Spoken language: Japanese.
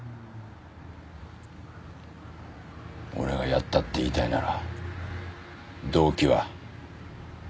俺がやったって言いたいなら動機は？